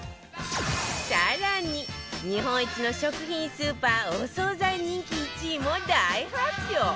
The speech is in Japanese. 更に日本一の食品スーパーお惣菜人気１位も大発表！